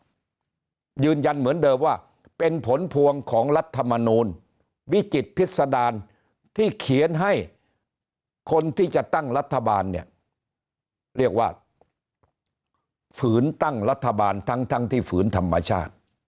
ก็ยืนยันเหมือนเดิมว่าเป็นผลพวงของรัฐมนูลวิจิตพิษดารที่เขียนให้คนที่จะตั้งรัฐบาลเนี่ยเรียกว่าฝืนตั้งรัฐบาลทั้งที่ฝืนธรรมชาติ